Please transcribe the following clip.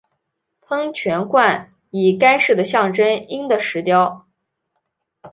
喷泉冠以该市的象征鹰的石雕。